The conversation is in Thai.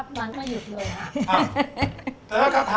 พอละ